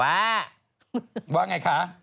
ว่าอย่างไรคะ